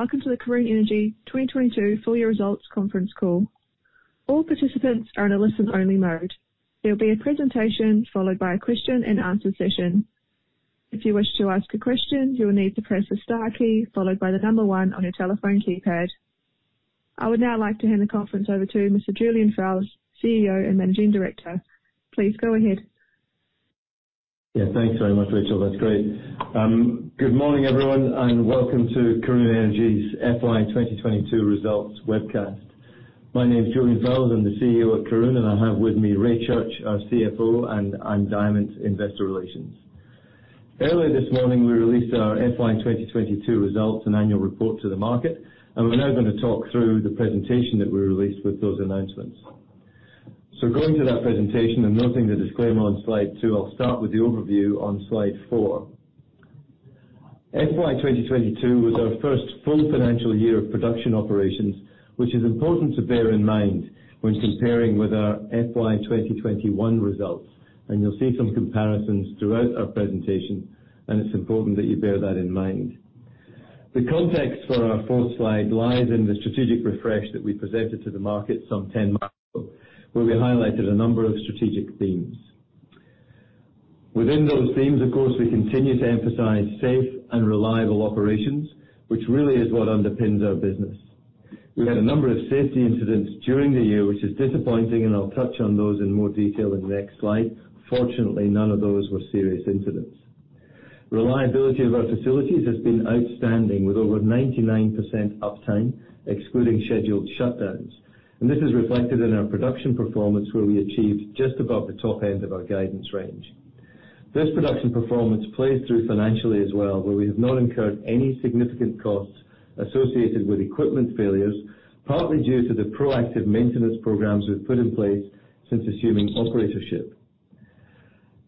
Welcome to the Karoon Energy 2022 Full Year Results Conference Call. All participants are in a listen-only mode. There will be a presentation followed by a question-and-answer session. If you wish to ask a question, you will need to press the star key followed by the number one on your telephone keypad. I would now like to hand the conference over to Mr. Julian Fowles, CEO and Managing Director. Please go ahead. Yeah. Thanks very much, Rachel. That's great. Good morning, everyone, and welcome to Karoon Energy's FY 2022 results webcast. My name is Julian Fowles. I'm the CEO of Karoon, and I have with me Ray Church, our CFO, and Ann Diamant, Investor Relations. Earlier this morning, we released our FY 2022 results and annual report to the market, and we're now gonna talk through the presentation that we released with those announcements. Going to that presentation and noting the disclaimer on slide 2, I'll start with the overview on slide 4. FY 2022 was our first full financial year of production operations, which is important to bear in mind when comparing with our FY 2021 results. You'll see some comparisons throughout our presentation, and it's important that you bear that in mind. The context for our fourth slide lies in the strategic refresh that we presented to the market some 10 months ago, where we highlighted a number of strategic themes. Within those themes, of course, we continue to emphasize safe and reliable operations, which really is what underpins our business. We had a number of safety incidents during the year, which is disappointing, and I'll touch on those in more detail in the next slide. Fortunately, none of those were serious incidents. Reliability of our facilities has been outstanding, with over 99% uptime, excluding scheduled shutdowns. This is reflected in our production performance, where we achieved just above the top end of our guidance range. This production performance plays through financially as well, where we have not incurred any significant costs associated with equipment failures, partly due to the proactive maintenance programs we've put in place since assuming operatorship.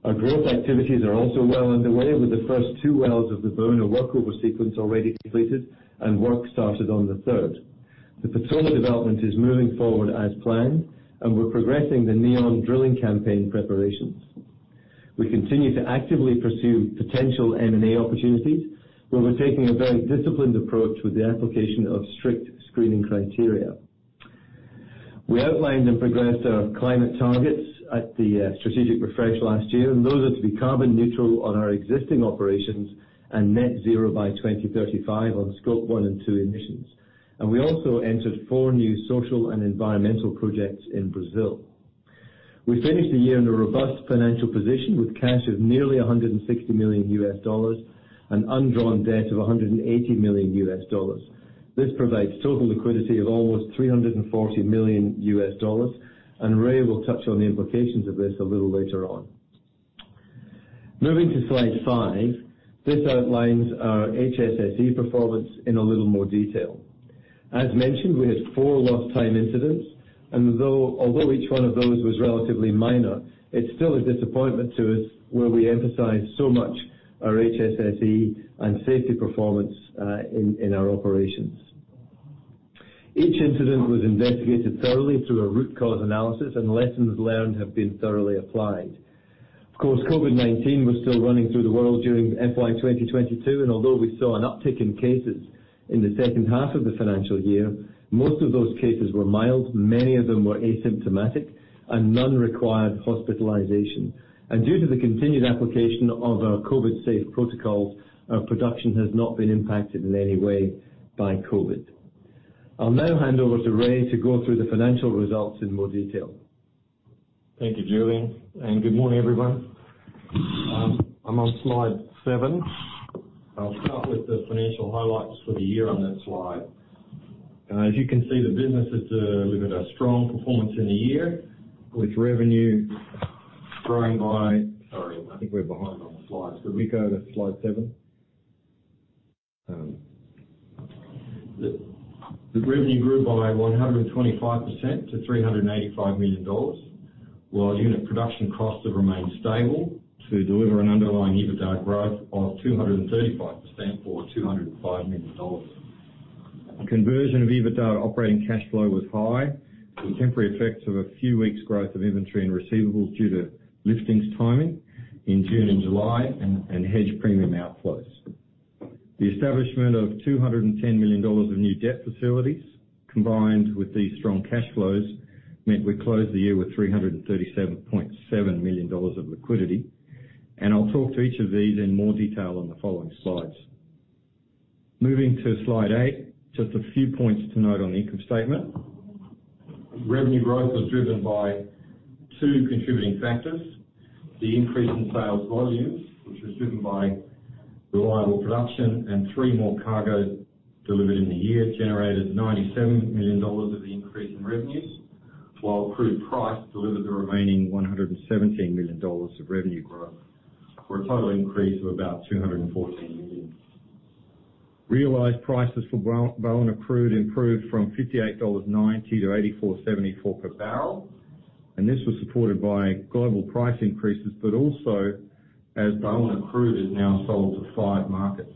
Our growth activities are also well underway, with the first two wells of the Baúna workover sequence already completed, and work started on the third. The Patola development is moving forward as planned, and we're progressing the Neon drilling campaign preparations. We continue to actively pursue potential M&A opportunities, where we're taking a very disciplined approach with the application of strict screening criteria. We outlined and progressed our climate targets at the strategic refresh last year, and those are to be carbon neutral on our existing operations and net zero by 2035 on Scope 1 and 2 emissions. We also entered four new social and environmental projects in Brazil. We finished the year in a robust financial position with cash of nearly $160 million and undrawn debt of $180 million. This provides total liquidity of almost $340 million, and Ray will touch on the implications of this a little later on. Moving to slide 5, this outlines our HSSE performance in a little more detail. As mentioned, we had four lost time incidents, and although each one of those was relatively minor, it's still a disappointment to us where we emphasize so much our HSSE and safety performance in our operations. Each incident was investigated thoroughly through a root cause analysis, and lessons learned have been thoroughly applied. Of course, COVID-19 was still running through the world during FY 2022, and although we saw an uptick in cases in the second half of the financial year, most of those cases were mild, many of them were asymptomatic, and none required hospitalization. Due to the continued application of our COVID safe protocols, our production has not been impacted in any way by COVID. I'll now hand over to Ray to go through the financial results in more detail. Thank you, Julian, and good morning, everyone. I'm on slide seven. I'll start with the financial highlights for the year on that slide. As you can see, the business is looking at a strong performance in the year. The revenue grew by 125% to $385 million, while unit production costs have remained stable to deliver an underlying EBITDA growth of 235% to $205 million. Conversion of EBITDA operating cash flow was high, temporary effects of a few weeks growth of inventory and receivables due to lifting timing in June and July and hedge premium outflows. The establishment of $210 million of new debt facilities combined with these strong cash flows meant we closed the year with $337.7 million of liquidity, and I'll talk to each of these in more detail on the following slides. Moving to slide 8, just a few points to note on the income statement. Revenue growth was driven by two contributing factors. The increase in sales volumes, which was driven by reliable production and three more cargoes delivered in the year, generated $97 million of the increase in revenues, while crude price delivered the remaining $117 million of revenue growth for a total increase of about $214 million. Realized prices for Baúna crude improved from $58.90-$84.74 per barrel, and this was supported by global price increases, but also as Baúna crude is now sold to five markets.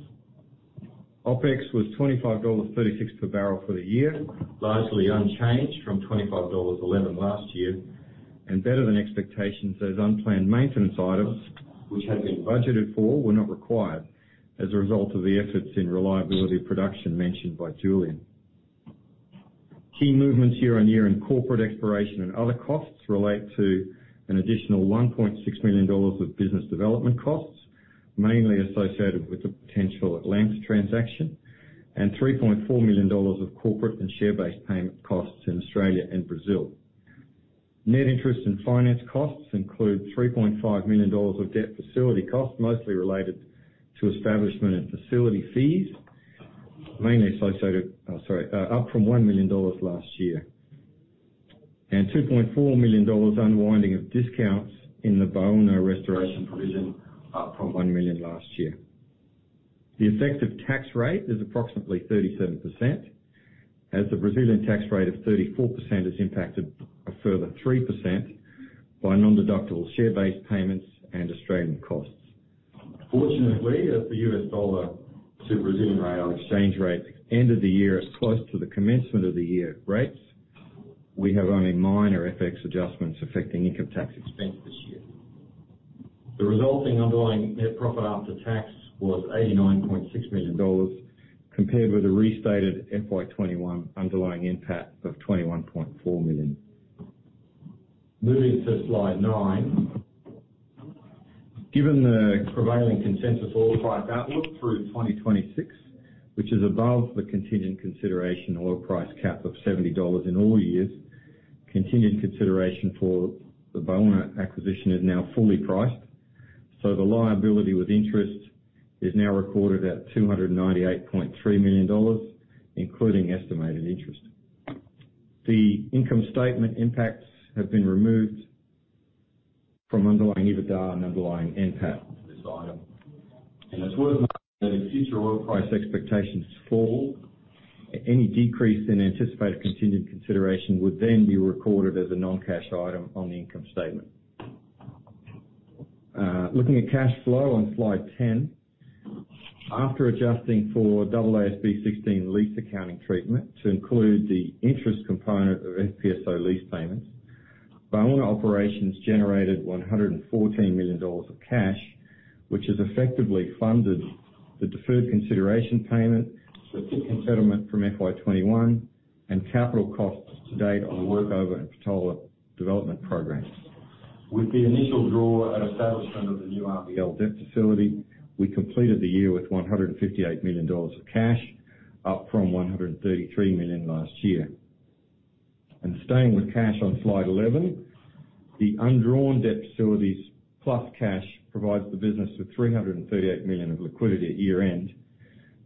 OpEx was $25.36 per barrel for the year, largely unchanged from $25.11 last year. Better than expectations as unplanned maintenance items, which had been budgeted for, were not required as a result of the efforts in reliability of production mentioned by Julian. Key movements year-on-year in corporate exploration and other costs relate to an additional $1.6 million of business development costs, mainly associated with the potential Atlanta transaction, and $3.4 million of corporate and share-based payment costs in Australia and Brazil. Net interest and finance costs include $3.5 million of debt facility costs, mostly related to establishment and facility fees, mainly associated. Up from $1 million last year, and $2.4 million unwinding of discounts in the Baúna restoration provision, up from $1 million last year. The effective tax rate is approximately 37%, as the Brazilian tax rate of 34% is impacted a further 3% by nondeductible share-based payments and Australian costs. Fortunately, as the US dollar to Brazilian real exchange rate ended the year as close to the commencement of the year rates, we have only minor FX adjustments affecting income tax expense this year. The resulting underlying net profit after tax was $89.6 million, compared with the restated FY 2021 underlying NPAT of $21.4 million. Moving to slide nine. Given the prevailing consensus oil price outlook through 2026, which is above the contingent consideration oil price cap of $70 in all years, continued consideration for the Baúna acquisition is now fully priced. The liability with interest is now recorded at $298.3 million, including estimated interest. The income statement impacts have been removed from underlying EBITDA and underlying NPAT for this item. It's worth noting that if future oil price expectations fall, any decrease in anticipated contingent consideration would then be recorded as a non-cash item on the income statement. Looking at cash flow on slide 10. After adjusting for double AASB 16 lease accounting treatment to include the interest component of FPSO lease payments, Baúna operations generated $114 million of cash, which has effectively funded the deferred consideration payment, the tick-in settlement from FY 2021, and capital costs to date on the workover and Patola development programs. With the initial draw at establishment of the new RBL debt facility, we completed the year with $158 million of cash, up from $133 million last year. Staying with cash on slide 11, the undrawn debt facilities plus cash provides the business with $338 million of liquidity at year-end,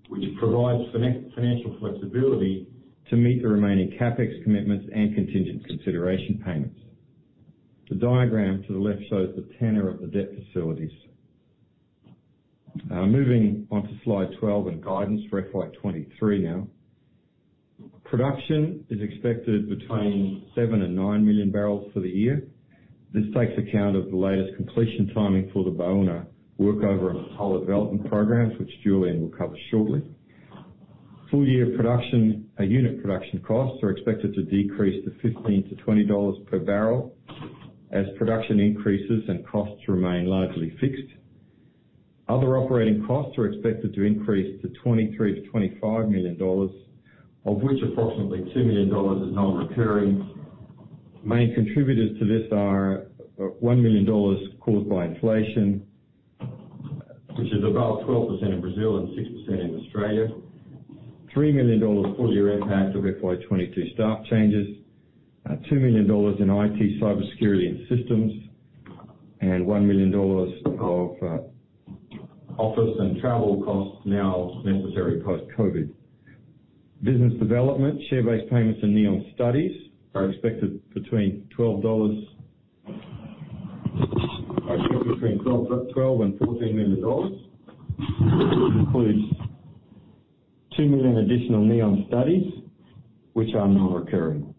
which provides financial flexibility to meet the remaining CapEx commitments and contingent consideration payments. The diagram to the left shows the tenor of the debt facilities. Moving on to slide 12 and guidance for FY 2023 now. Production is expected between 7-9 MMbbl for the year. This takes account of the latest completion timing for the Baúna workover and Patola development programs, which Julian will cover shortly. Full year production, unit production costs are expected to decrease to $15-$20 per barrel as production increases and costs remain largely fixed. Other operating costs are expected to increase to $23 million-$25 million, of which approximately $2 million is non-recurring. Main contributors to this are, one million dollars caused by inflation, which is about 12% in Brazil and 6% in Australia. $3 million full-year impact of FY 2022 staff changes, $2 million in IT, cybersecurity, and systems, and $1 million of, office and travel costs now necessary post-COVID. Business development, share-based payments, and FEED studies are expected between $12 and $14 million. Includes $2 million additional FEED studies which are non-recurring.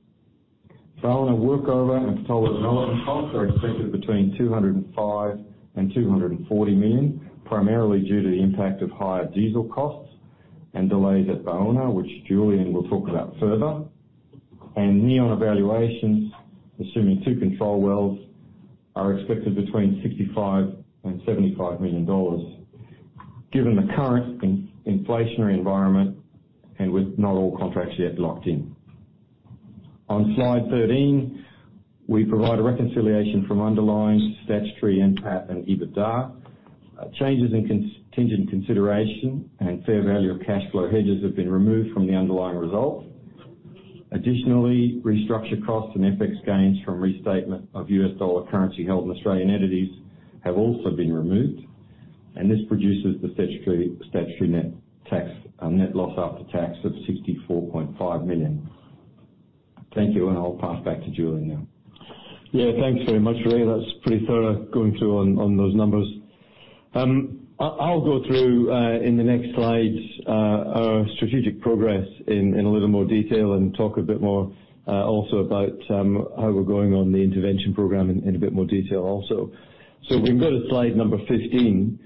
Baúna workover, and Patola development costs are expected between $205 and $240 million, primarily due to the impact of higher diesel costs and delays at Baúna, which Julian will talk about further. Neon drilling evaluations, assuming two control wells, are expected between $65 and $75 million, given the current inflationary environment and with not all contracts yet locked in. On slide 13, we provide a reconciliation from underlying statutory NPAT and EBITDA. Changes in contingent consideration and fair value of cash flow hedges have been removed from the underlying results. Additionally, restructure costs and FX gains from restatement of U.S. dollar currency held in Australian entities have also been removed, and this produces the statutory net loss after tax of $64.5 million. Thank you, and I'll pass back to Julian now. Yeah. Thanks very much, Ray. That's pretty thorough going through on those numbers. I'll go through in the next slides our strategic progress in a little more detail and talk a bit more also about how we're going on the intervention program in a bit more detail also. If we can go to slide number 15,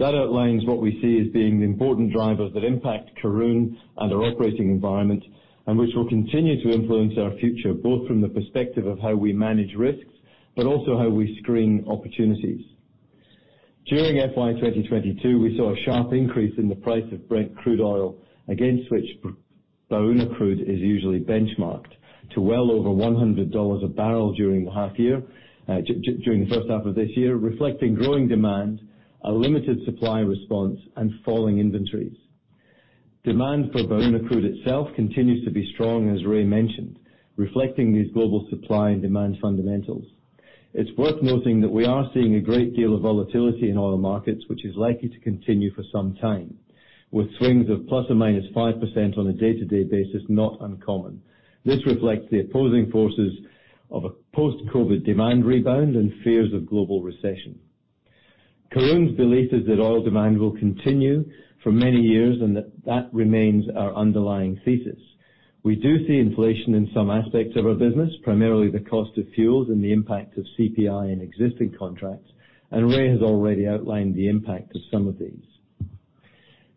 that outlines what we see as being the important drivers that impact Karoon and our operating environment and which will continue to influence our future, both from the perspective of how we manage risks, but also how we screen opportunities. During FY 2022, we saw a sharp increase in the price of Brent crude oil against which Baúna Crude is usually benchmarked to well over $100 a barrel during the first half of this year, reflecting growing demand, a limited supply response, and falling inventories. Demand for Baúna Crude itself continues to be strong, as Ray mentioned, reflecting these global supply and demand fundamentals. It's worth noting that we are seeing a great deal of volatility in oil markets, which is likely to continue for some time, with swings of ±5% on a day-to-day basis, not uncommon. This reflects the opposing forces of a post-COVID demand rebound and fears of global recession. Karoon's belief is that oil demand will continue for many years, and that remains our underlying thesis. We do see inflation in some aspects of our business, primarily the cost of fuels and the impact of CPI in existing contracts, and Ray has already outlined the impact of some of these.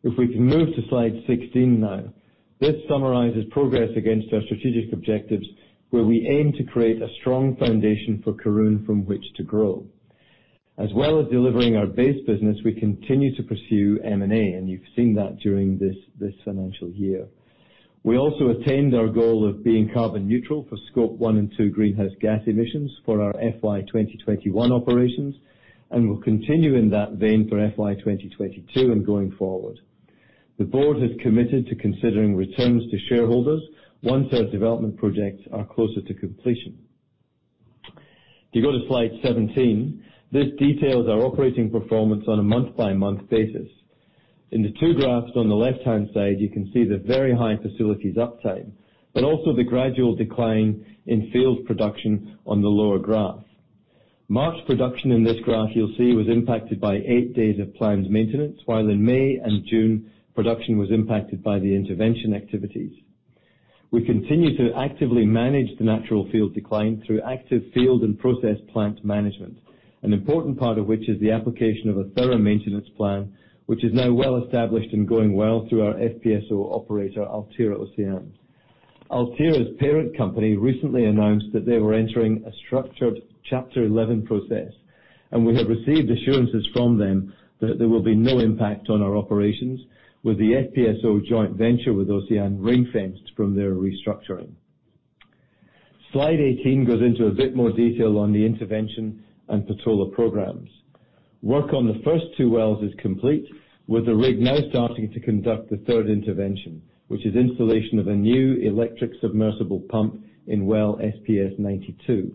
If we can move to slide 16 now. This summarizes progress against our strategic objectives, where we aim to create a strong foundation for Karoon from which to grow. As well as delivering our base business, we continue to pursue M&A, and you've seen that during this financial year. We also attained our goal of being carbon neutral for Scope 1 and 2 greenhouse gas emissions for our FY 2021 operations, and will continue in that vein for FY 2022 and going forward. The board has committed to considering returns to shareholders once our development projects are closer to completion. If you go to slide 17, this details our operating performance on a month-by-month basis. In the two graphs on the left-hand side, you can see the very high facilities uptime, but also the gradual decline in field production on the lower graph. March production in this graph, you'll see, was impacted by eight days of planned maintenance, while in May and June, production was impacted by the intervention activities. We continue to actively manage the natural field decline through active field and process plant management, an important part of which is the application of a thorough maintenance plan, which is now well established and going well through our FPSO operator, Altera&Ocyan. Altera's parent company recently announced that they were entering a structured Chapter 11 process, and we have received assurances from them that there will be no impact on our operations with the FPSO joint venture with Ocyan ring-fenced from their restructuring. Slide 18 goes into a bit more detail on the intervention and Patola programs. Work on the first two wells is complete, with the rig now starting to conduct the third intervention, which is installation of a new electric submersible pump in well SPS-92.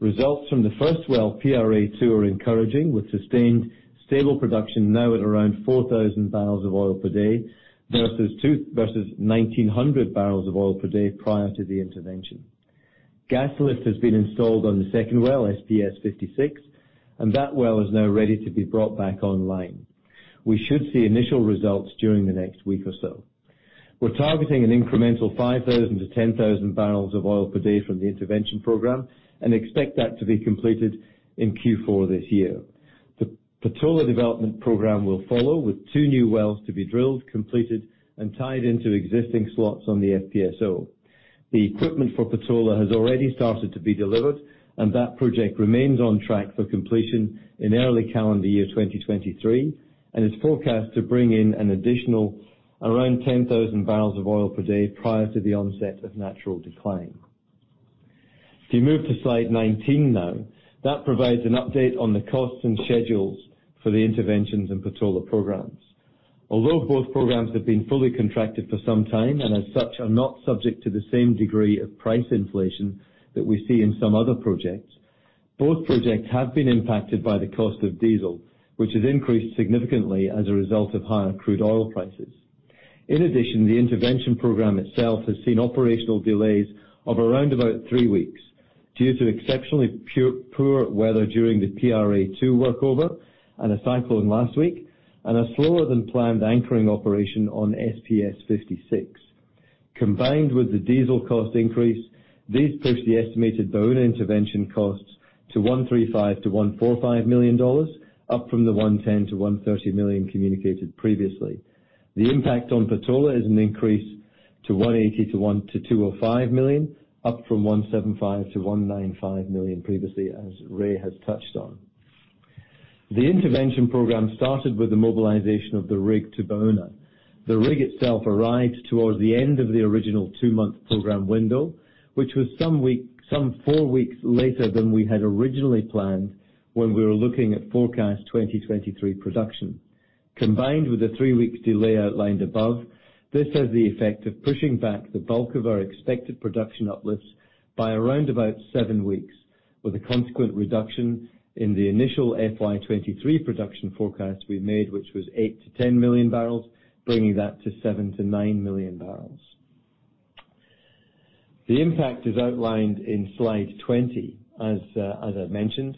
Results from the first well, PRA-2, are encouraging, with sustained stable production now at around 4,000 barrels of oil per day versus 1,900 barrels of oil per day prior to the intervention. Gas lift has been installed on the second well, SPS-56, and that well is now ready to be brought back online. We should see initial results during the next week or so. We're targeting an incremental 5,000-10,000 barrels of oil per day from the intervention program and expect that to be completed in Q4 this year. The Patola development program will follow, with 2 new wells to be drilled, completed, and tied into existing slots on the FPSO. The equipment for Patola has already started to be delivered, and that project remains on track for completion in early calendar year 2023 and is forecast to bring in an additional around 10,000 barrels of oil per day prior to the onset of natural decline. If you move to slide 19 now, that provides an update on the costs and schedules for the interventions and Patola programs. Although both programs have been fully contracted for some time and as such are not subject to the same degree of price inflation that we see in some other projects, both projects have been impacted by the cost of diesel, which has increased significantly as a result of higher crude oil prices. In addition, the intervention program itself has seen operational delays of around about 3 weeks due to exceptionally poor weather during the PRA-2 workover and a cyclone last week and a slower than planned anchoring operation on SPS-56. Combined with the diesel cost increase, these push the estimated Baúna intervention costs to $135 million-$145 million, up from the $110 million-$130 million communicated previously. The impact on Patola is an increase to $180 million-$205 million, up from $175 million-$195 million previously, as Ray has touched on. The intervention program started with the mobilization of the rig to Baúna. The rig itself arrived towards the end of the original two-month program window, which was some four weeks later than we had originally planned when we were looking at forecast 2023 production. Combined with the three-week delay outlined above, this has the effect of pushing back the bulk of our expected production uplifts by around about seven weeks, with a consequent reduction in the initial FY 2023 production forecast we made, which was 8-10 million barrels, bringing that to 7-9 million barrels. The impact is outlined in slide 20, as I mentioned.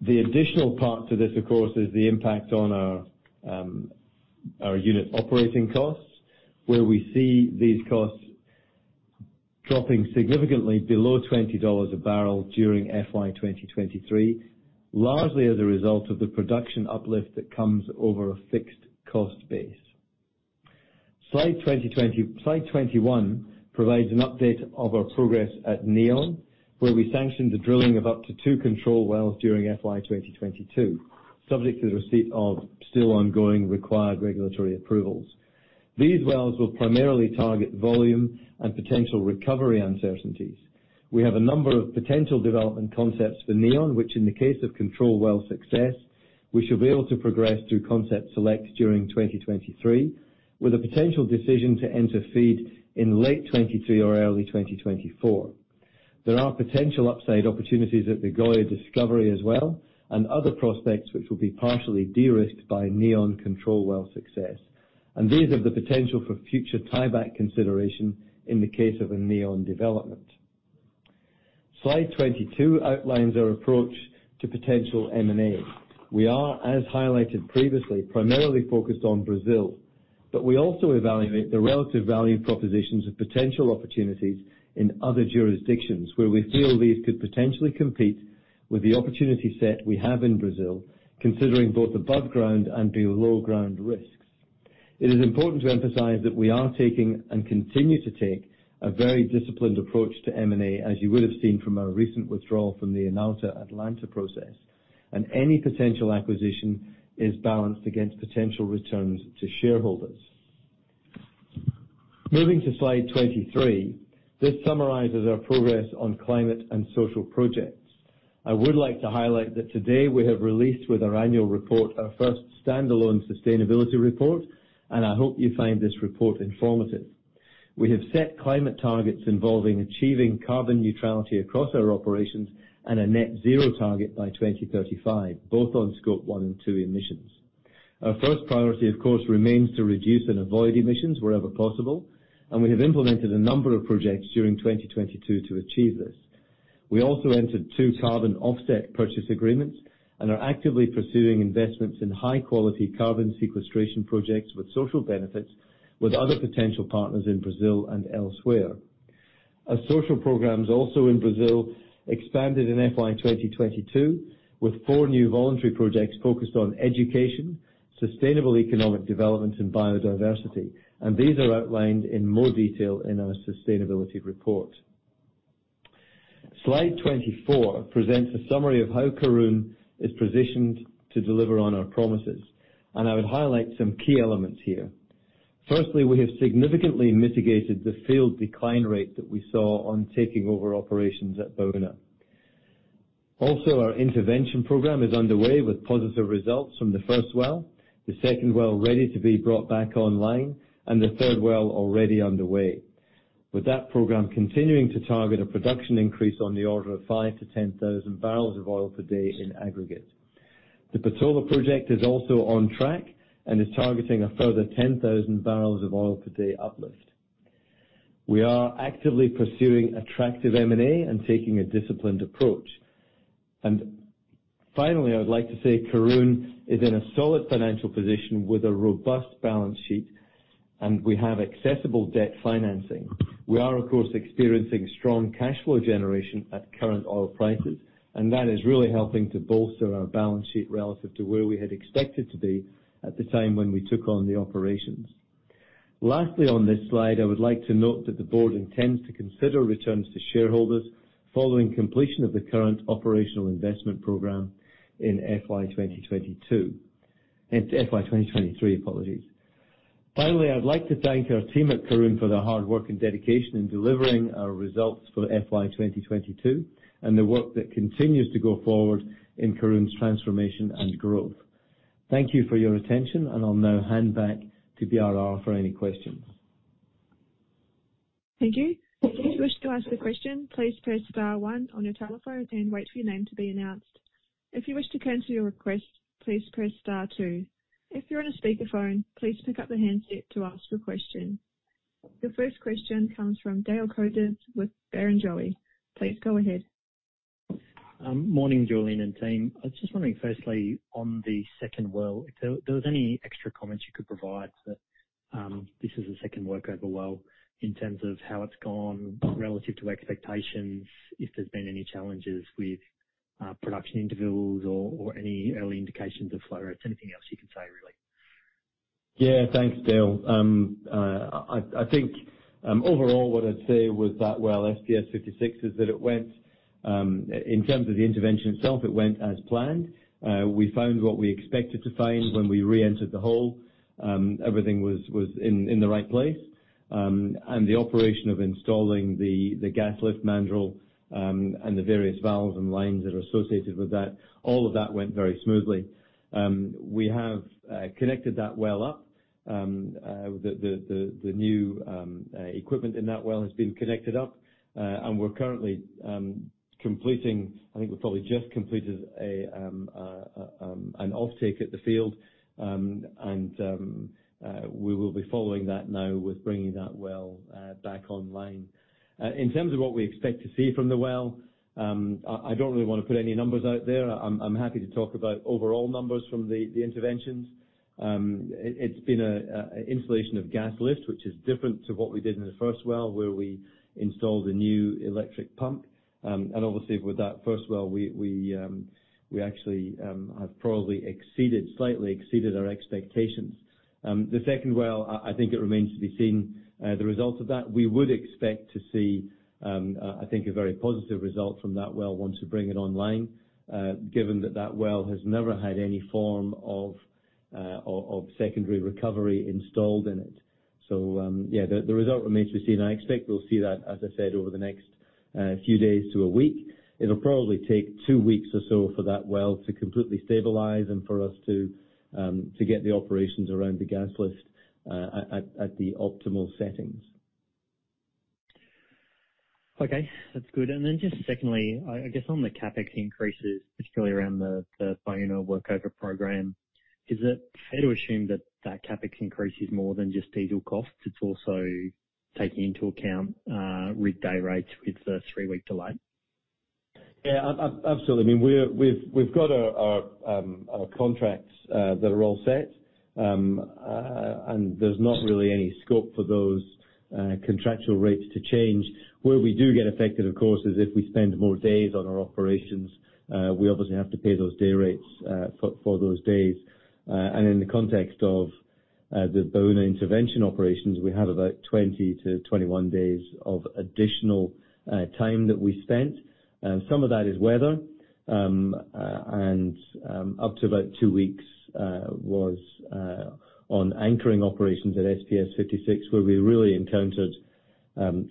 The additional part to this, of course, is the impact on our unit operating costs, where we see these costs dropping significantly below $20 a barrel during FY 2023, largely as a result of the production uplift that comes over a fixed cost base. Slide 21 provides an update of our progress at Neon, where we sanctioned the drilling of up to 2 control wells during FY 2022, subject to the receipt of still ongoing required regulatory approvals. These wells will primarily target volume and potential recovery uncertainties. We have a number of potential development concepts for Neon, which in the case of control well success, we should be able to progress through concept select during 2023, with a potential decision to enter FEED in late 2023 or early 2024. There are potential upside opportunities at the Goya discovery as well, and other prospects which will be partially de-risked by Neon control well success. These have the potential for future tieback consideration in the case of a Neon development. Slide 22 outlines our approach to potential M&A. We are, as highlighted previously, primarily focused on Brazil, but we also evaluate the relative value propositions of potential opportunities in other jurisdictions where we feel these could potentially compete with the opportunity set we have in Brazil, considering both above ground and below ground risks. It is important to emphasize that we are taking, and continue to take, a very disciplined approach to M&A, as you would have seen from our recent withdrawal from the Enuata Atlanta process. Any potential acquisition is balanced against potential returns to shareholders. Moving to slide 23, this summarizes our progress on climate and social projects. I would like to highlight that today we have released with our annual report our first standalone sustainability report, and I hope you find this report informative. We have set climate targets involving achieving carbon neutrality across our operations and a net zero target by 2035, both on Scope 1 and 2 emissions. Our first priority, of course, remains to reduce and avoid emissions wherever possible, and we have implemented a number of projects during 2022 to achieve this. We also entered two carbon offset purchase agreements and are actively pursuing investments in high quality carbon sequestration projects with social benefits with other potential partners in Brazil and elsewhere. Our social programs, also in Brazil, expanded in FY 2022 with 4 new voluntary projects focused on education, sustainable economic development and biodiversity. These are outlined in more detail in our sustainability report. Slide 24 presents a summary of how Karoon is positioned to deliver on our promises, and I would highlight some key elements here. Firstly, we have significantly mitigated the field decline rate that we saw on taking over operations at Baúna. Also, our intervention program is underway with positive results from the first well, the second well ready to be brought back online, and the third well already underway. With that program continuing to target a production increase on the order of 5,000-10,000 barrels of oil per day in aggregate. The Patola project is also on track and is targeting a further 10,000 barrels of oil per day uplift. We are actively pursuing attractive M&A and taking a disciplined approach. Finally, I would like to say Karoon is in a solid financial position with a robust balance sheet, and we have accessible debt financing. We are, of course, experiencing strong cash flow generation at current oil prices, and that is really helping to bolster our balance sheet relative to where we had expected to be at the time when we took on the operations. Lastly, on this slide, I would like to note that the board intends to consider returns to shareholders following completion of the current operational investment program in FY 2022. It's FY 2023. Apologies. Finally, I'd like to thank our team at Karoon for their hard work and dedication in delivering our results for FY 2022 and the work that continues to go forward in Karoon's transformation and growth. Thank you for your attention, and I'll now hand back to BRR for any questions. Thank you. If you wish to ask a question, please press star one on your telephone and wait for your name to be announced. If you wish to cancel your request, please press star two. If you're on a speakerphone, please pick up the handset to ask your question. Your first question comes from Dale Koenders with Barrenjoey. Please go ahead. Morning, Julian and team. I was just wondering, firstly, on the second well, if there was any extra comments you could provide that this is the second workover well in terms of how it's gone relative to expectations, if there's been any challenges with production intervals or any early indications of flow rates. Anything else you can say, really. Yeah. Thanks, Dale. I think overall, what I'd say with that well, SPS-56, is that it went in terms of the intervention itself, it went as planned. We found what we expected to find when we reentered the hole. Everything was in the right place. The operation of installing the gas lift mandrel and the various valves and lines that are associated with that, all of that went very smoothly. We have connected that well up. The new equipment in that well has been connected up, and we're currently completing. I think we've probably just completed an offtake at the field. We will be following that now with bringing that well back online. In terms of what we expect to see from the well, I don't really wanna put any numbers out there. I'm happy to talk about overall numbers from the interventions. It's been an installation of gas lift, which is different to what we did in the first well where we installed a new electric pump. Obviously with that first well, we actually have probably slightly exceeded our expectations. The second well, I think it remains to be seen, the results of that. We would expect to see, I think a very positive result from that well once we bring it online, given that that well has never had any form of secondary recovery installed in it. The result remains to be seen. I expect we'll see that, as I said, over the next few days to a week. It'll probably take 2 weeks or so for that well to completely stabilize and for us to get the operations around the gas lift at the optimal settings. Okay, that's good. Just secondly, I guess on the CapEx increases, particularly around the Baúna workover program, is it fair to assume that CapEx increase is more than just diesel costs? It's also taking into account rig day rates with the three-week delay? Yeah. Absolutely. I mean, we've got our contracts that are all set. There's not really any scope for those contractual rates to change. Where we do get affected, of course, is if we spend more days on our operations, we obviously have to pay those day rates for those days. In the context of the Baúna intervention operations, we have about 20-21 days of additional time that we spent. Some of that is weather. Up to about two weeks was on anchoring operations at SPS-56, where we really encountered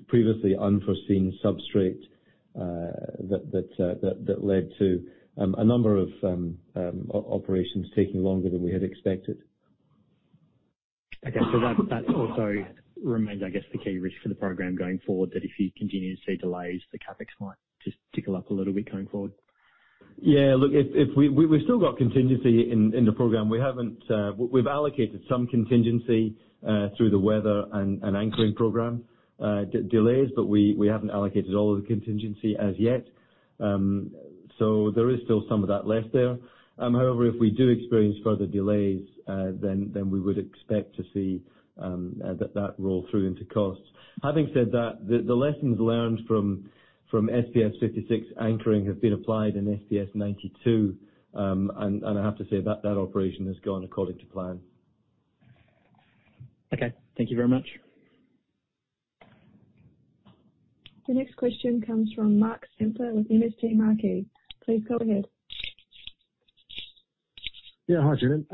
previously unforeseen substrate that led to a number of operations taking longer than we had expected. That also remains, I guess, the key risk for the program going forward, that if you continue to see delays, the CapEx might just tick up a little bit going forward. Yeah. Look, if we still got contingency in the program. We haven't. We've allocated some contingency through the weather and anchoring program delays, but we haven't allocated all of the contingency as yet. There is still some of that left there. However, if we do experience further delays, then we would expect to see that roll through into costs. Having said that, the lessons learned from SPS-56 anchoring have been applied in SPS-92. I have to say that that operation has gone according to plan. Okay. Thank you very much. The next question comes from Mark Samter with MST Marquee. Please go ahead. Yeah. Hi, Julian.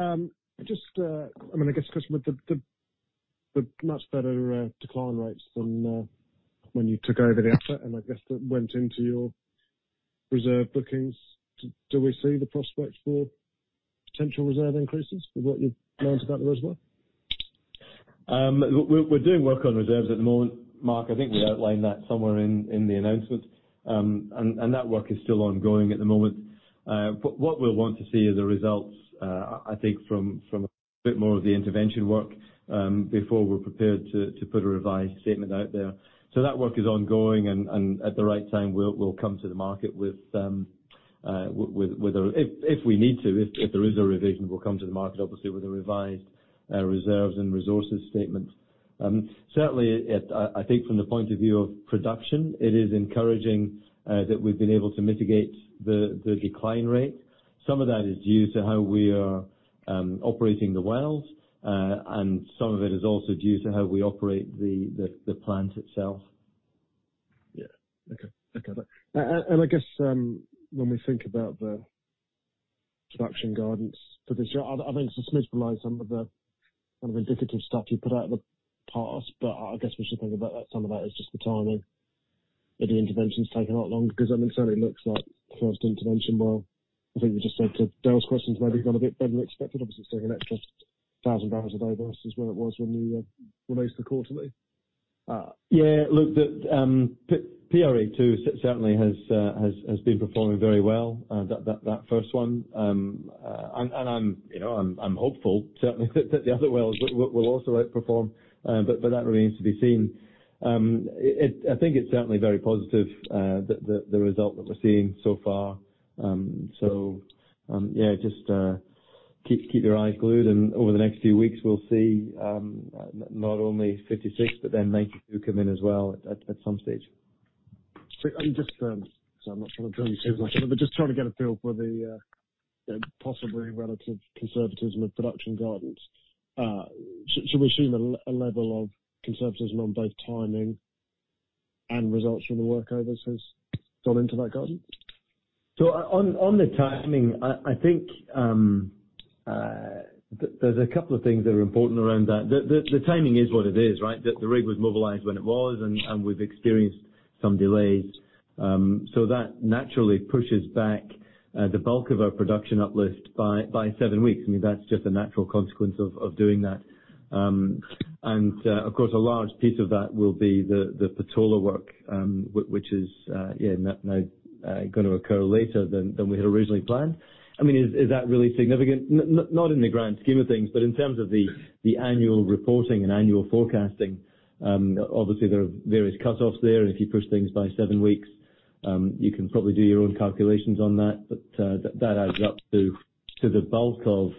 Just, I mean, I guess, because with the much better decline rates than when you took over the asset and I guess that went into your reserve bookings, do we see the prospects for potential reserve increases with what you've learned about the reservoir? We're doing work on reserves at the moment, Mark. I think we outlined that somewhere in the announcement. That work is still ongoing at the moment. What we'll want to see are the results, I think from a bit more of the intervention work, before we're prepared to put a revised statement out there. That work is ongoing, and at the right time, we'll come to the market. If we need to, if there is a revision, we'll come to the market obviously with a revised reserves and resources statement. Certainly, I think from the point of view of production, it is encouraging that we've been able to mitigate the decline rate. Some of that is due to how we are operating the wells, and some of it is also due to how we operate the plant itself. I guess when we think about the production guidance for this year, I think Julian Fowles outlined some of the kind of indicative stuff you put out the past, but I guess we should think about that. Some of that is just the timing of the interventions taking a lot longer because I mean, certainly looks like the first intervention well. I think we just said to Dale Koenders's questions, maybe gone a bit better than expected. Obviously, it's taking an extra 1,000 bbl a day versus where it was when you released the quarterly. Yeah. Look, the PRA-2 certainly has been performing very well, that first one. I'm, you know, hopeful certainly that the other wells will also outperform, but that remains to be seen. I think it's certainly very positive, the result that we're seeing so far. Yeah, just keep your eyes glued, and over the next few weeks, we'll see not only 56 but then 92 come in as well at some stage. I'm just sorry I'm not trying to drive you too much, but just trying to get a feel for the, you know, possibly relative conservatism of production guidance. Should we assume a level of conservatism on both timing and results from the workovers has gone into that guidance? On the timing, I think there's a couple of things that are important around that. The timing is what it is, right? The rig was mobilized when it was, and we've experienced some delays. That naturally pushes back the bulk of our production uplift by seven weeks. I mean, that's just a natural consequence of doing that. Of course, a large piece of that will be the Patola work, which is now gonna occur later than we had originally planned. I mean, is that really significant? Not in the grand scheme of things, but in terms of the annual reporting and annual forecasting, obviously there are various cutoffs there, and if you push things by seven weeks, you can probably do your own calculations on that, but that adds up to the bulk of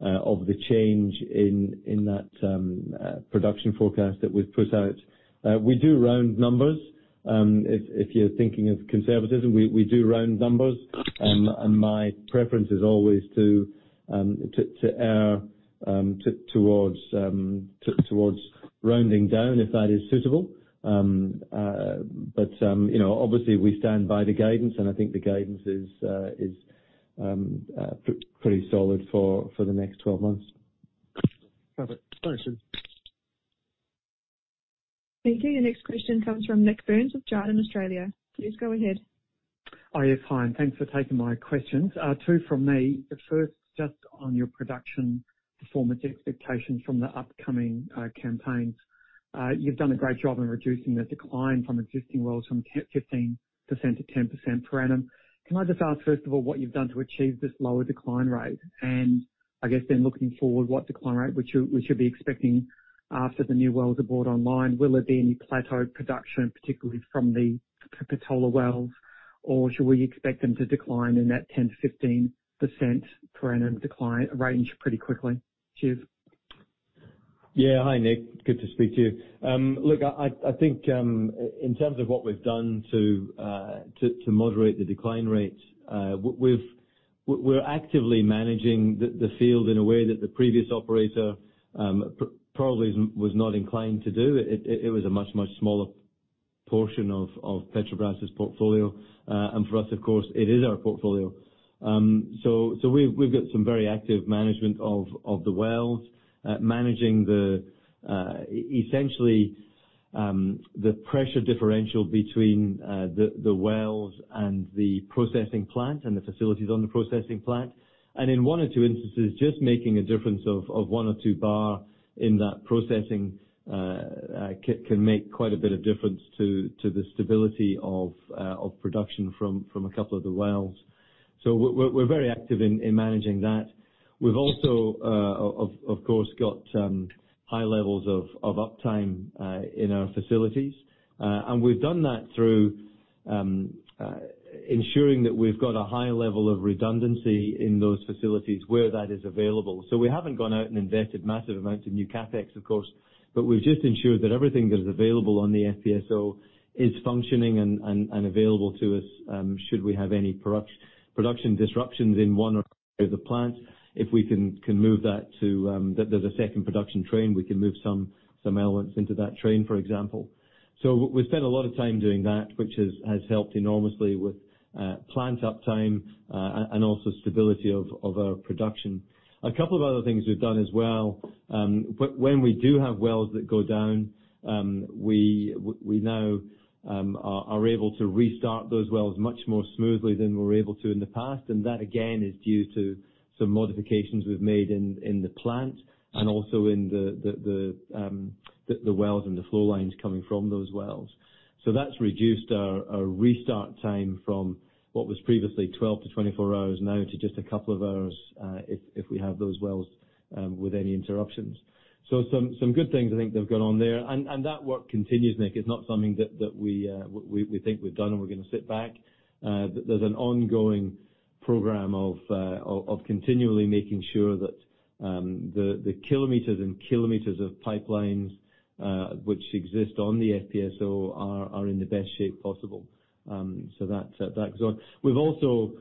the change in that production forecast that we've put out. We do round numbers. If you're thinking of conservatism, we do round numbers. My preference is always to err towards rounding down if that is suitable. You know, obviously we stand by the guidance, and I think the guidance is pretty solid for the next 12 months. Perfect. Thanks, Julian. Thank you. The next question comes from Nik Burns with Jarden Australia. Please go ahead. Oh, yes. Hi, and thanks for taking my questions. Two from me. The first just on your production performance expectations from the upcoming campaigns. You've done a great job in reducing the decline from existing wells from 15% to 10% per annum. Can I just ask, first of all, what you've done to achieve this lower decline rate? I guess then looking forward, what decline rate we should be expecting after the new wells are brought online? Will there be any plateaued production, particularly from the Patola Wells? Or should we expect them to decline in that 10%-15% per annum decline range pretty quickly? Julian Fowles. Yeah. Hi, Nick. Good to speak to you. I think in terms of what we've done to moderate the decline rates, we're actively managing the field in a way that the previous operator probably was not inclined to do. It was a much smaller portion of Petrobras' portfolio. For us, of course, it is our portfolio. We've got some very active management of the wells, managing essentially the pressure differential between the wells and the processing plant and the facilities on the processing plant. In one or two instances, just making a difference of one or two bar in that processing can make quite a bit of difference to the stability of production from a couple of the wells. We're very active in managing that. We've also of course got high levels of uptime in our facilities. We've done that through ensuring that we've got a high level of redundancy in those facilities where that is available. We haven't gone out and invested massive amounts of new CapEx, of course, but we've just ensured that everything that is available on the FPSO is functioning and available to us should we have any production disruptions in one or the plants. If we can move that to the second production train, we can move some elements into that train, for example. We've spent a lot of time doing that, which has helped enormously with plant uptime and also stability of our production. A couple of other things we've done as well, when we do have wells that go down, we now are able to restart those wells much more smoothly than we were able to in the past. That again is due to some modifications we've made in the plant and also in the wells and the flow lines coming from those wells. That's reduced our restart time from what was previously 12 to 24 hours now to just a couple of hours, if we have those wells with any interruptions. Some good things I think that have gone on there. That work continues, Nik. It's not something that we think we've done and we're gonna sit back. There's an ongoing program of continually making sure that the kilometers of pipelines which exist on the FPSO are in the best shape possible. That goes on. We've also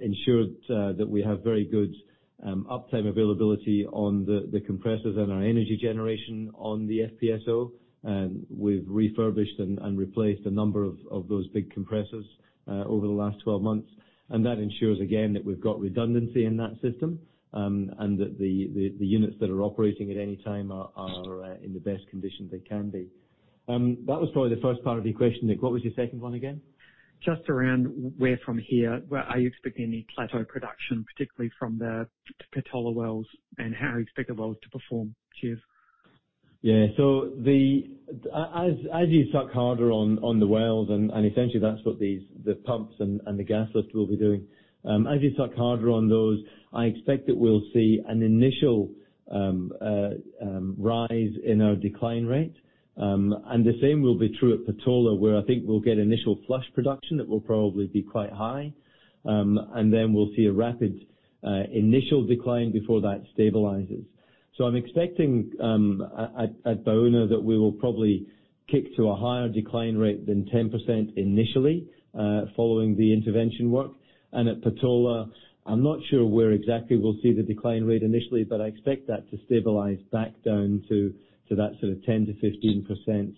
ensured that we have very good uptime availability on the compressors and our energy generation on the FPSO. We've refurbished and replaced a number of those big compressors over the last 12 months. That ensures again, that we've got redundancy in that system, and that the units that are operating at any time are in the best condition they can be. That was probably the first part of your question, Nick. What was your second one again? From here, are you expecting any plateau production, particularly from the Patola Wells? How do you expect the wells to perform, Julian Fowles? As you suck harder on the wells, and essentially that's what these pumps and the gas lift will be doing. As you suck harder on those, I expect that we'll see an initial rise in our decline rate. The same will be true at Patola, where I think we'll get initial flush production that will probably be quite high. We'll see a rapid initial decline before that stabilizes. I'm expecting at Baúna that we will probably kick to a higher decline rate than 10% initially following the intervention work. At Patola, I'm not sure where exactly we'll see the decline rate initially, but I expect that to stabilize back down to that sort of 10%-15%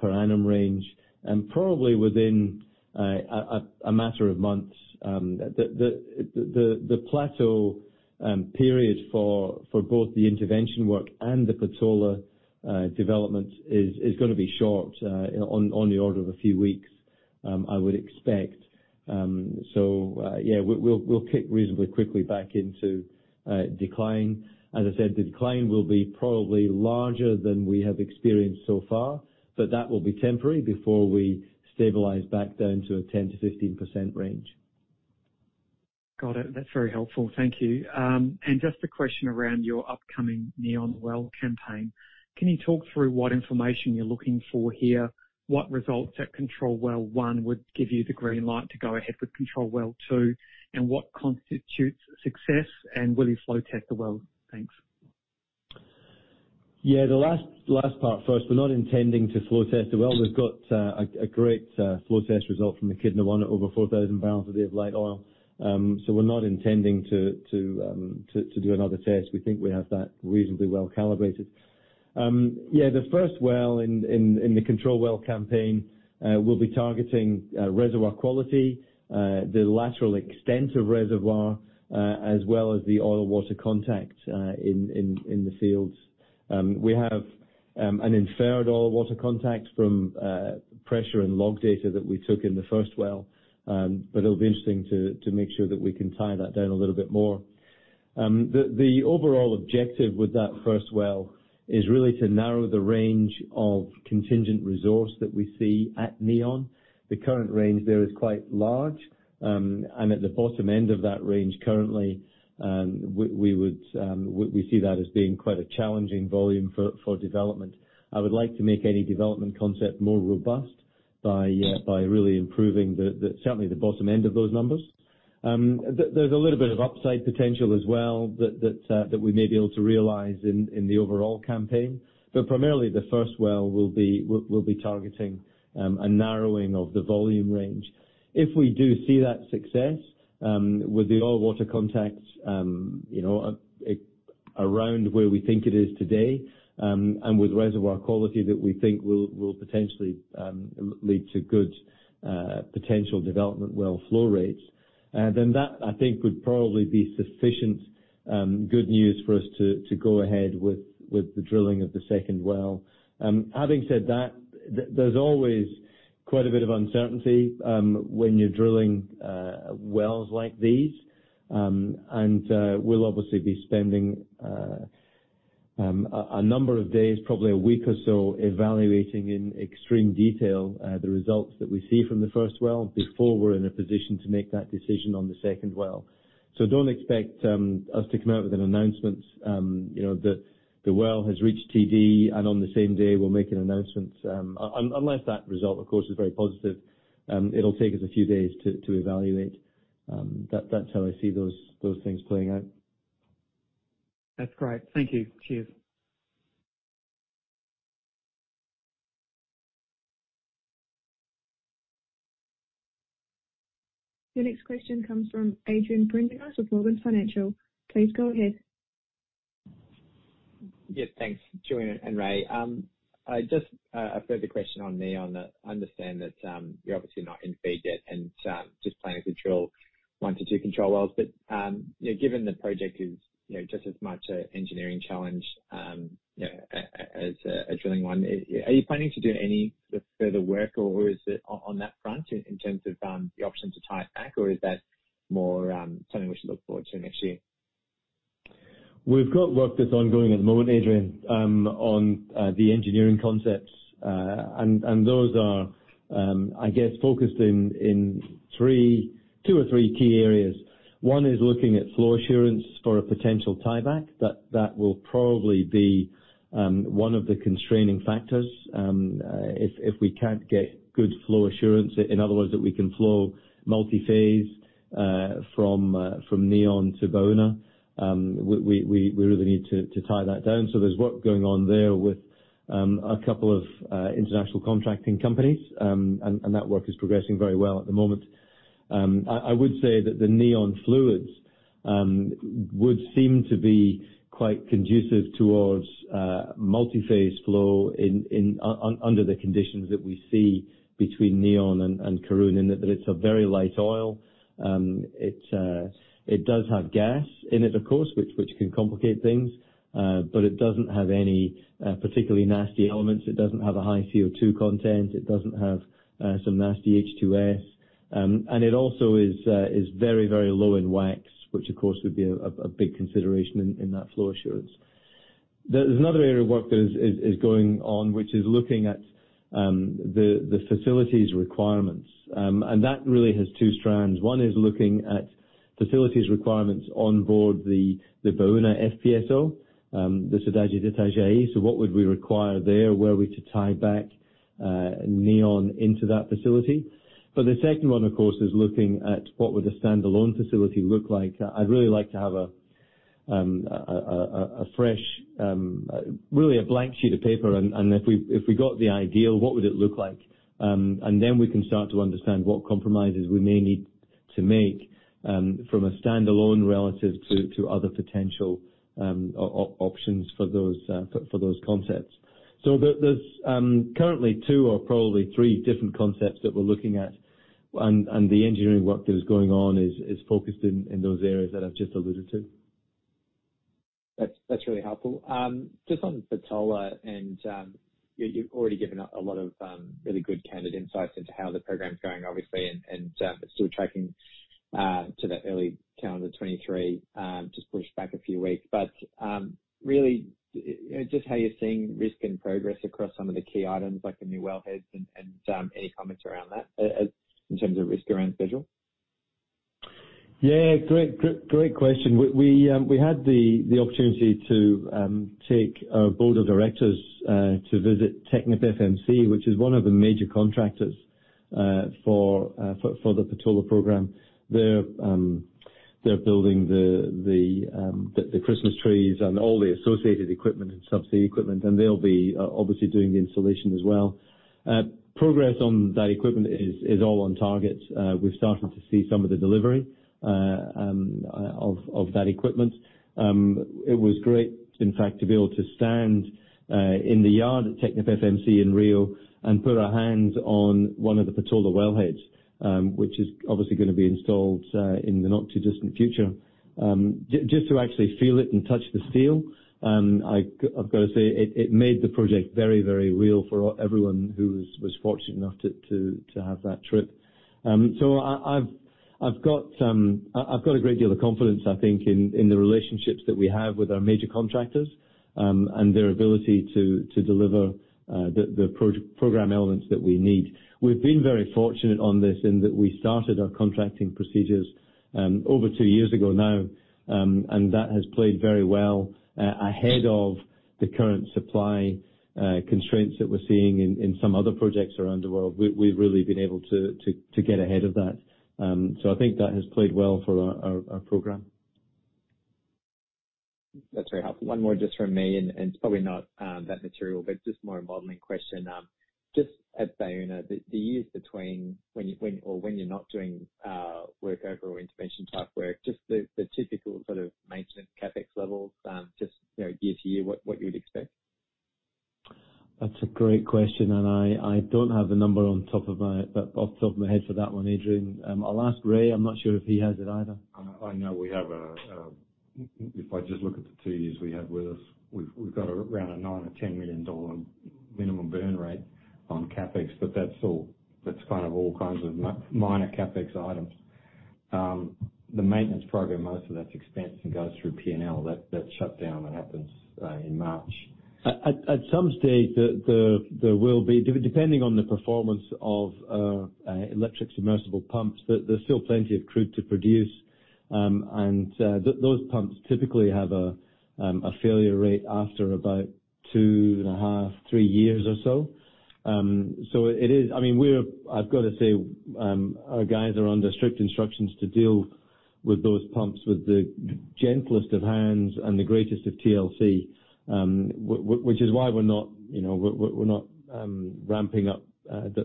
per annum range, and probably within a matter of months. The plateau period for both the intervention work and the Patola development is gonna be short, on the order of a few weeks, I would expect. We'll kick reasonably quickly back into decline. As I said, the decline will be probably larger than we have experienced so far, but that will be temporary before we stabilize back down to a 10%-15% range. Got it. That's very helpful. Thank you. Just a question around your upcoming Neon well campaign. Can you talk through what information you're looking for here? What results at control well one would give you the green light to go ahead with control well two, and what constitutes success, and will you flow test the well? Thanks. The last part first. We're not intending to flow test the well. We've got a great flow test result from Echidna-1 at over 4,000 barrels a day of light oil. We're not intending to do another test. We think we have that reasonably well calibrated. The first well in the control well campaign will be targeting reservoir quality, the lateral extent of reservoir, as well as the oil water contact in the fields. We have an inferred oil water contact from pressure and log data that we took in the first well. It'll be interesting to make sure that we can tie that down a little bit more. The overall objective with that first well is really to narrow the range of contingent resource that we see at Neon. The current range there is quite large. At the bottom end of that range currently, we would see that as being quite a challenging volume for development. I would like to make any development concept more robust by really improving the certainty the bottom end of those numbers. There's a little bit of upside potential as well that we may be able to realize in the overall campaign. Primarily the first well will be targeting a narrowing of the volume range. If we do see that success with the oil water contact, you know, around where we think it is today, and with reservoir quality that we think will potentially lead to good potential development well flow rates, then that I think would probably be sufficient good news for us to go ahead with the drilling of the second well. Having said that, there's always quite a bit of uncertainty when you're drilling wells like these. We'll obviously be spending a number of days, probably a week or so, evaluating in extreme detail the results that we see from the first well before we're in a position to make that decision on the second well. Don't expect us to come out with an announcement, you know, the well has reached TD, and on the same day we'll make an announcement, unless that result, of course, is very positive. It'll take us a few days to evaluate. That's how I see those things playing out. That's great. Thank you. Cheers. Your next question comes from Adrian Prendergast with Morgan Stanley. Please go ahead. Yes, thanks, Julian and Ray. I just have a further question on Neon. I understand that you're obviously not in FEED yet and just planning to drill 1-2 control wells. You know, given the project is you know, just as much an engineering challenge you know, as a drilling one, are you planning to do any further work, or is it on that front in terms of the option to tie it back? Is that more something we should look forward to next year? We've got work that's ongoing at the moment, Adrian, on the engineering concepts. Those are focused in two or three key areas. One is looking at flow assurance for a potential tieback. That will probably be one of the constraining factors if we can't get good flow assurance. In other words, that we can flow multi-phase from Neon to Baúna. We really need to tie that down. There's work going on there with a couple of international contracting companies. That work is progressing very well at the moment. I would say that the Neon fluids would seem to be quite conducive towards multi-phase flow in under the conditions that we see between Neon and Karoon, in that it's a very light oil. It does have gas in it of course, which can complicate things. It doesn't have any particularly nasty elements. It doesn't have a high CO2 content. It doesn't have some nasty H2S. It also is very low in wax which of course would be a big consideration in that flow assurance. There's another area of work that is going on, which is looking at the facilities requirements. That really has two strands. One is looking at facilities requirements on board the Baúna FPSO, the Cidade de Itajaí. What would we require there, were we to tie back Neon into that facility? The second one, of course, is looking at what would a standalone facility look like. I'd really like to have a fresh, really a blank sheet of paper. If we got the ideal, what would it look like? Then we can start to understand what compromises we may need to make, from a standalone relative to other potential options for those concepts. There's currently two or probably three different concepts that we're looking at. The engineering work that is going on is focused in those areas that I've just alluded to. That's really helpful. Just on the Patola and, you've already given a lot of really good candid insights into how the program is going, obviously, and still tracking to that early calendar 2023, just pushed back a few weeks. Really, just how you're seeing risk and progress across some of the key items like the new wellheads and any comments around that, in terms of risk around schedule? Yeah. Great question. We had the opportunity to take our board of directors to visit TechnipFMC, which is one of the major contractors for the Patola program. They're building the Christmas trees and all the associated equipment and subsea equipment, and they'll be obviously doing the installation as well. Progress on that equipment is all on target. We're starting to see some of the delivery of that equipment. It was great, in fact, to be able to stand in the yard at TechnipFMC in Rio and put our hands on one of the Patola Well heads, which is obviously gonna be installed in the not too distant future. Just to actually feel it and touch the steel, I've gotta say, it made the project very real for everyone who was fortunate enough to have that trip. I've got a great deal of confidence, I think, in the relationships that we have with our major contractors and their ability to deliver the program elements that we need. We've been very fortunate on this in that we started our contracting procedures over two years ago now, and that has played very well ahead of the current supply constraints that we're seeing in some other projects around the world. We've really been able to get ahead of that. I think that has played well for our program. That's very helpful. One more just from me, and it's probably not that material, but just more a modeling question. Just at Baúna, the years between when you're not doing workover or intervention type work, just the typical sort of maintenance CapEx levels, just, you know, year to year, what you would expect? That's a great question. I don't have the number on top of my head for that one, Adrian Prendergast. I'll ask Ray Church. I'm not sure if he has it either. I know we have a. If I just look at the two years we have with us, we've got around a $9-$10 million minimum burn rate on CapEx, but that's all, that's kind of all kinds of minor CapEx items. The maintenance program, most of that's expense and goes through P&L. That's shut down. That happens in March. At some stage, there will be, depending on the performance of electric submersible pumps, there's still plenty of crude to produce. Those pumps typically have a failure rate after about 2.5-3 years or so. It is. I mean, I've got to say, our guys are under strict instructions to deal with those pumps with the gentlest of hands and the greatest of TLC, which is why we're not, you know, we're not ramping up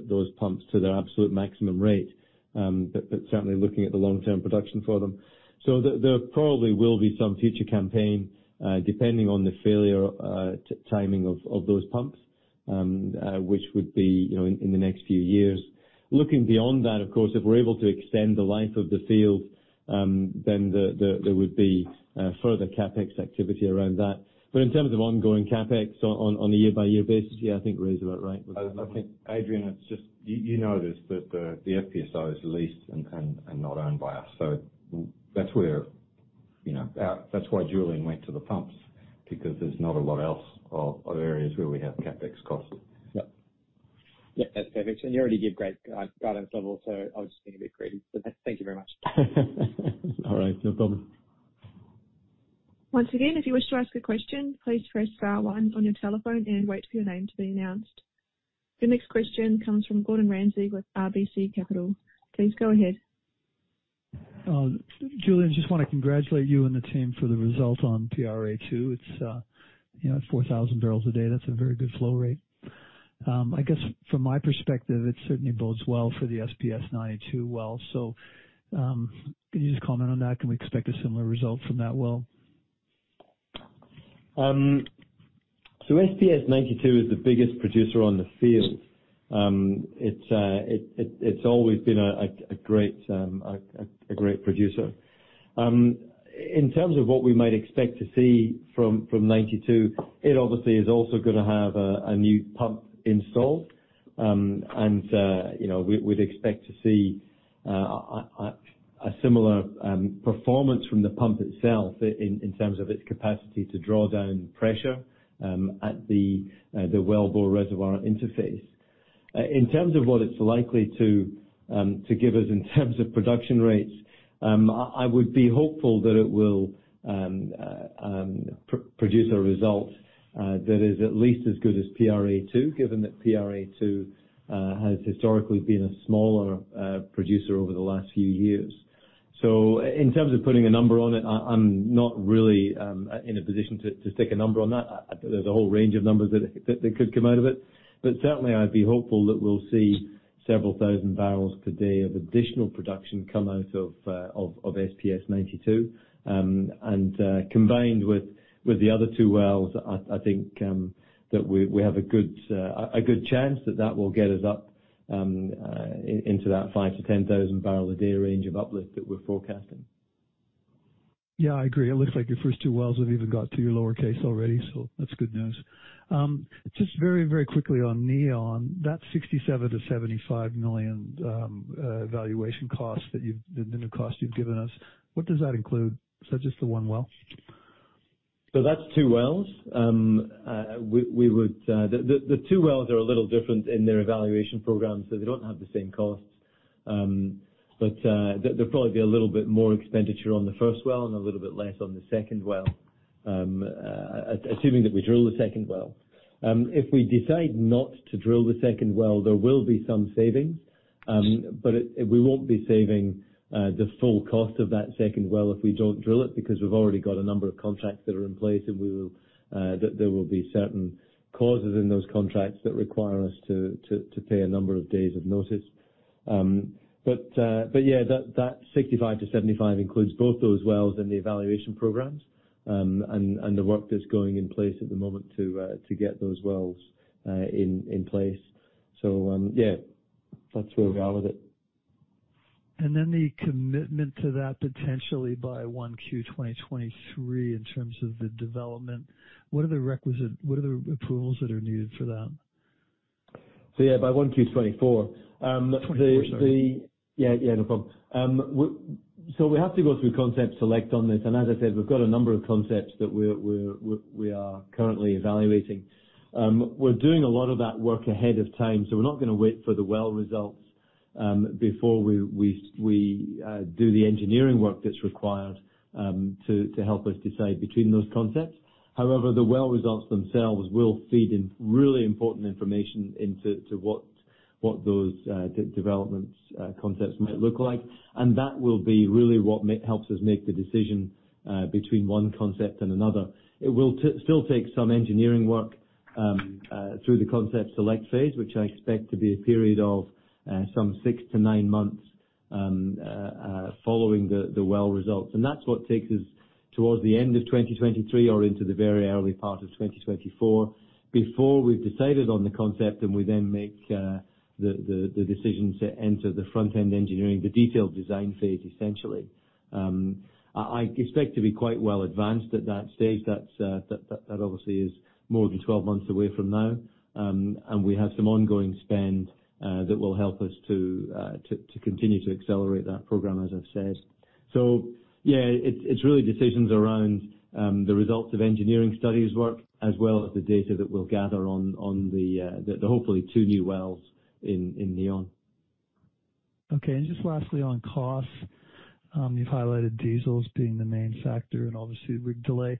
those pumps to their absolute maximum rate. Certainly looking at the long-term production for them. There probably will be some future campaign, depending on the failure timing of those pumps, which would be, you know, in the next few years. Looking beyond that, of course, if we're able to extend the life of the field, then there would be further CapEx activity around that. But in terms of ongoing CapEx on a year-by-year basis, yeah, I think Ray's about right with that. I think, Adrian, it's just, you know this, that the FPSO is leased and not owned by us. That's where, you know, our. That's why Julian went to the pumps because there's not a lot else of areas where we have CapEx costs. Yep. Yep, that's perfect. You already gave great guidance level, so I was just being a bit greedy. Thank you very much. All right. No problem. Once again, if you wish to ask a question, please press star one on your telephone and wait for your name to be announced. The next question comes from Gordon Ramsay with RBC Capital. Please go ahead. Julian, just wanna congratulate you and the team for the result on PRA-2. It's, you know, at 4,000 bbl a day, that's a very good flow rate. I guess from my perspective, it certainly bodes well for the SPS-92 well. Can you just comment on that? Can we expect a similar result from that well? SPS-92 is the biggest producer on the field. It's always been a great producer. In terms of what we might expect to see from 92, it obviously is also gonna have a new pump installed. You know, we'd expect to see a similar performance from the pump itself in terms of its capacity to draw down pressure at the wellbore reservoir interface. In terms of what it's likely to give us in terms of production rates, I would be hopeful that it will produce a result that is at least as good as PRA-2, given that PRA-2 has historically been a smaller producer over the last few years. In terms of putting a number on it, I'm not really in a position to stick a number on that. There's a whole range of numbers that could come out of it. Certainly, I'd be hopeful that we'll see several thousand barrels per day of additional production come out of SPS-92. Combined with the other two wells, I think that we have a good chance with that will get us up into that five to 10 thousand barrel a day range of uplift that we're forecasting. Yeah, I agree. It looks like your first two wells have even got to your low cost already, so that's good news. Just very, very quickly on Neon, that $67 million-$75 million valuation cost you've given us, what does that include? Is that just the one well? That's two wells. The two wells are a little different in their evaluation program, so they don't have the same costs. There'll probably be a little bit more expenditure on the first well and a little bit less on the second well, assuming that we drill the second well. If we decide not to drill the second well, there will be some savings. We won't be saving the full cost of that second well if we don't drill it, because we've already got a number of contracts that are in place, and there will be certain clauses in those contracts that require us to pay a number of days of notice. Yeah, that 65-75 includes both those wells and the evaluation programs, and the work that's going in place at the moment to get those wells in place. Yeah, that's where we are with it. The commitment to that potentially by 1Q 2023 in terms of the development, what are the approvals that are needed for that? Yeah, by 1Q 2024. 2024, sorry. Yeah, no problem. We have to go through concept select on this. As I said, we've got a number of concepts that we are currently evaluating. We're doing a lot of that work ahead of time, so we're not gonna wait for the well results before we do the engineering work that's required to help us decide between those concepts. However, the well results themselves will feed in really important information into what those development concepts might look like. That will be really what helps us make the decision between one concept and another. It will still take some engineering work through the concept select phase, which I expect to be a period of some six to nine months following the well results. That's what takes us towards the end of 2023 or into the very early part of 2024, before we've decided on the concept and we then make the decision to enter the front-end engineering, the detailed design phase, essentially. I expect to be quite well advanced at that stage. That's obviously more than 12 months away from now. We have some ongoing spend that will help us to continue to accelerate that program, as I've said. Yeah, it's really decisions around the results of engineering studies work as well as the data that we'll gather on the hopefully two new wells in Neon. Okay. Just lastly, on costs. You've highlighted diesels being the main factor and obviously rig delay.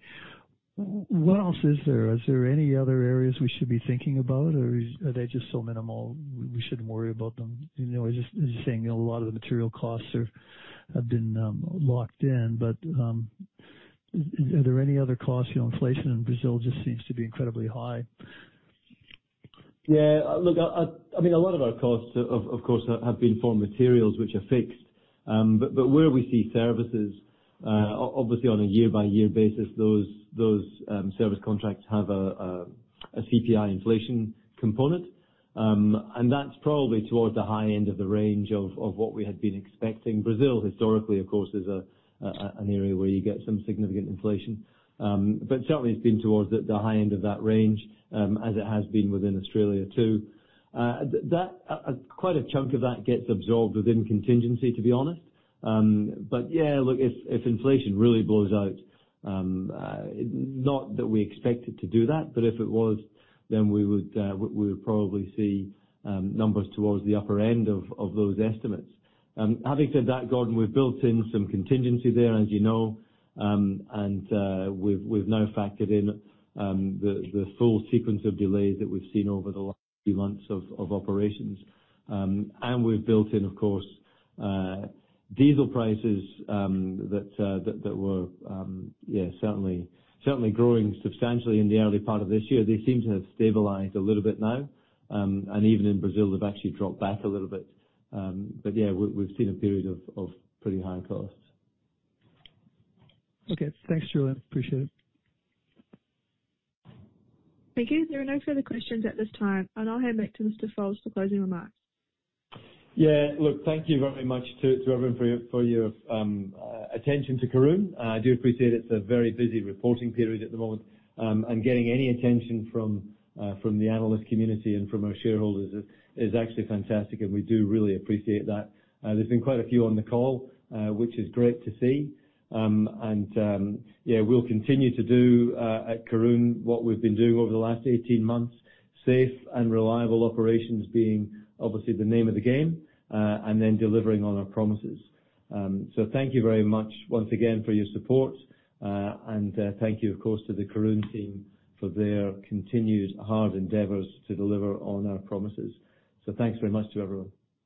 What else is there? Is there any other areas we should be thinking about or are they just so minimal we shouldn't worry about them? You know, I was just saying a lot of the material costs have been locked in, but are there any other costs? You know, inflation in Brazil just seems to be incredibly high. Yeah. Look, I mean, a lot of our costs, of course, have been for materials which are fixed. But where we see services, obviously on a year-by-year basis, those service contracts have a CPI inflation component. And that's probably towards the high end of the range of what we had been expecting. Brazil, historically, of course, is an area where you get some significant inflation. But certainly it's been towards the high end of that range, as it has been within Australia too. That, quite a chunk of that gets absorbed within contingency, to be honest. Yeah, look, if inflation really blows out, not that we expect it to do that, but if it was, then we would probably see numbers towards the upper end of those estimates. Having said that, Gordon, we've built in some contingency there, as you know. We've now factored in the full sequence of delays that we've seen over the last few months of operations. We've built in, of course, diesel prices that were, yeah, certainly growing substantially in the early part of this year. They seem to have stabilized a little bit now. Even in Brazil, they've actually dropped back a little bit. We've seen a period of pretty high costs. Okay. Thanks, Julian. Appreciate it. Thank you. There are no further questions at this time, and I'll hand back to Mr. Fowles for closing remarks. Yeah. Look, thank you very much to everyone for your attention to Karoon. I do appreciate it's a very busy reporting period at the moment. Getting any attention from the analyst community and from our shareholders is actually fantastic, and we do really appreciate that. There's been quite a few on the call, which is great to see. Yeah, we'll continue to do at Karoon what we've been doing over the last 18 months, safe and reliable operations being obviously the name of the game, and then delivering on our promises. Thank you very much once again for your support. Thank you, of course, to the Karoon team for their continued hard endeavors to deliver on our promises. Thanks very much to everyone.